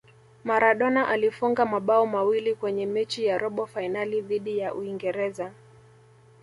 maradona alifunga mabao mawili Kwenye mechi ya robo fainali dhidi ya uingereza